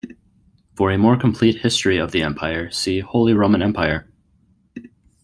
For a more complete history of the empire, see Holy Roman Empire.